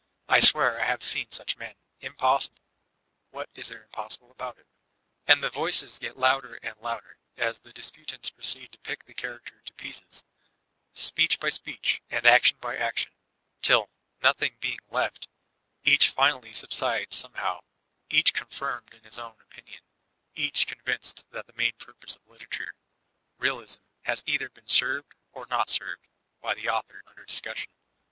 "I swear L have seen such men —"Impos sible—" "What is there impossible about U?— " And the voices get louder and louder, as the disputants proceed to pick the character to pieces, speech by speech, and action by action, till, nothing being left, each finally subsides somehow, each confirmed in his own opinion, each convinced that the main purpose of literature Realism — has either been served, or not served, by the author under discussion.